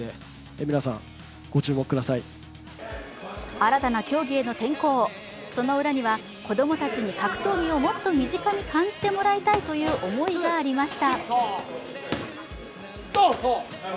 新たな競技への転向、その裏には子供たちに格闘技をもっと身近に感じてもらいたいという思いがありました。